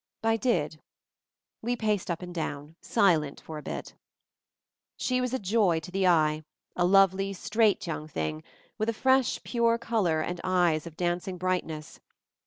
I did. We paced up and down, silent for a bit. She was a joy to the eye, a lovely, straight, young thing, with a fresh, pure color and eyes of dancing brightness.